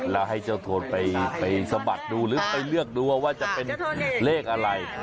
แล้วให้เจ้าโทนไปสะบัดดูหรือไปเลือกดูว่าจะเป็นเลขอะไร